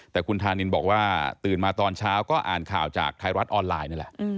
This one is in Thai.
แต่คุณธานินบอกว่าตื่นมาตอนเช้าก็อ่านข่าวจากไทยรัฐออนไลน์นั่นแหละ